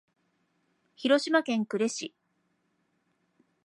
広島県呉市